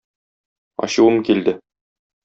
Ачуым килде.